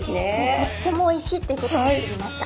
とってもおいしいってことを知りました。